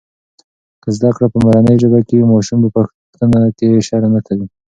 که زده کړه په مورنۍ ژبه کېږي، ماشوم په پوښتنه کې شرم نه کوي.